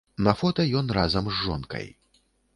На фота ён разам з жонкай.